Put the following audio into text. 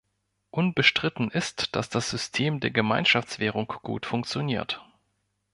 Unbestritten ist, dass das System der Gemeinschaftswährung gut funktioniert.